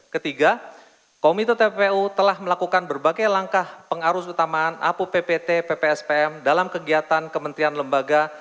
ketiga komite tpu telah melakukan berbagai langkah pengarus utamaan apo ppt ppspm dalam kegiatan kementerian lembaga